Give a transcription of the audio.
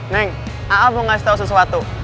neng aa mau ngasih tau sesuatu